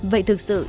vậy thực sự